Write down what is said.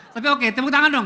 tapi oke tepuk tangan dong